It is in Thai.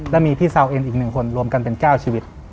และมีพี่เซาเอ็นอีกหนึ่งคนรวมกันเป็น๙ชีวิต